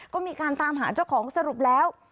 ก็มีการตามหาเจ้าของสรุปแล้ว